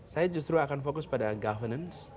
saya justru akan fokus pada governance